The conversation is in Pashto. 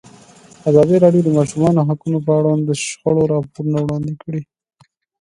ازادي راډیو د د ماشومانو حقونه په اړه د شخړو راپورونه وړاندې کړي.